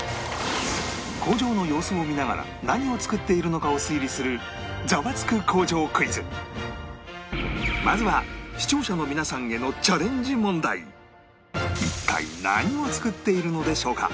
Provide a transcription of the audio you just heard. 工場の様子を見ながら何を作っているのかを推理するまずは視聴者の皆さんへの一体何を作っているのでしょうか？